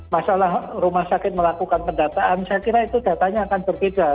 masalah rumah sakit melakukan pendataan saya kira itu datanya akan berbeda